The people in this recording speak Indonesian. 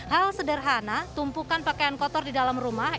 hal sederhana tumpukan pakaian kotor di dalam rumah